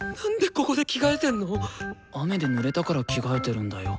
雨でぬれたから着替えてるんだよ。